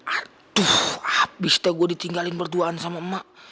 aduh abis deh gue ditinggalin berduaan sama emak